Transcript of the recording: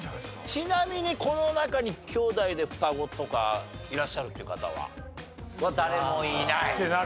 ちなみにこの中にきょうだいで双子とかいらっしゃるっていう方は？は誰もいない。